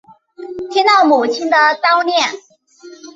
听到母亲的叨念